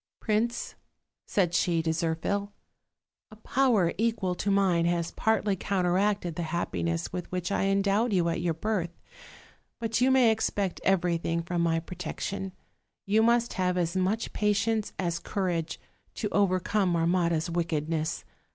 "Prince," said she to Zirphil, "a power equal to mine has partly counteracted the happiness with which I endowed you at your birth; but you may expect everything from my protection; you must have as much patience as courage, to overcome Marmotta's wickedness.